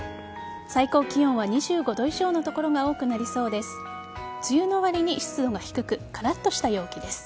最高気温は２５度以上の所が多くなりそうです。